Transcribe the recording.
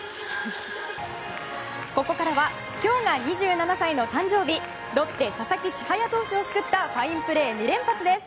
ここからは今日が２７歳の誕生日ロッテ、佐々木千隼投手を救ったファインプレー２連発です。